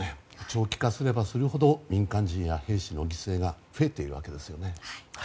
長期化すればするほど民間人や兵士の犠牲が増えているわけですよね。